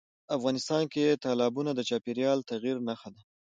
افغانستان کې تالابونه د چاپېریال د تغیر نښه ده.